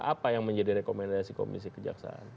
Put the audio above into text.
apa yang menjadi rekomendasi komisi kejaksaan